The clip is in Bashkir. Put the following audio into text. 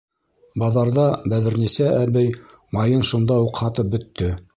Баҙарҙа Бәҙерниса әбей майын шунда уҡ һатып бөттө.